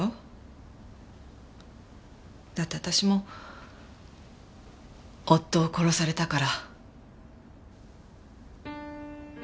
だって私も夫を殺されたから。